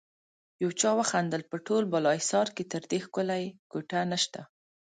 يو چا وخندل: په ټول بالاحصار کې تر دې ښکلی کوټه نشته.